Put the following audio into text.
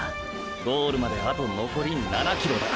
ゴールまであとのこり７ｋｍだ。